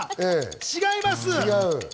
違います。